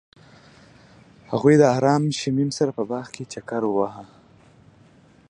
هغوی د آرام شمیم سره په باغ کې چکر وواهه.